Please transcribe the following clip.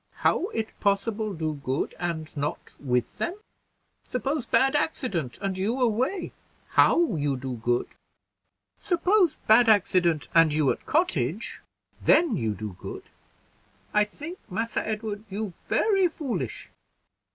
How it possible do good, and not with them? Suppose bad accident, and you away, how you do good? Suppose bad accident, and you at cottage, then you do good. I think, Massa Edward, you very foolish."